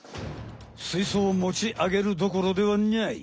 水槽を持ち上げるどころではない。